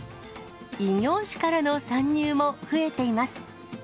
異業種からの参入も増えています。